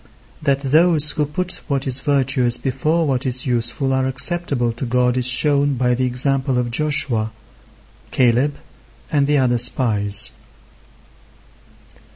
That those who put what is virtuous before what is useful are acceptable to God is shown by the example of Joshua, Caleb, and the other spies.